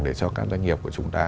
để cho các doanh nghiệp của chúng ta